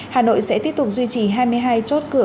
hà nội sẽ tiếp tục duy trì hai mươi hai chốt cửa